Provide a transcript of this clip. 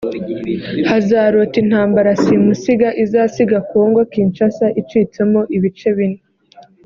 hazarota intambara simusiga izasiga Congo Kinshasa icitsemo ibice bine